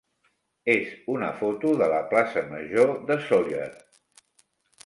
és una foto de la plaça major de Sóller.